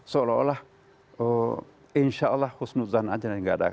seolah olah insya allah khusnudzan aja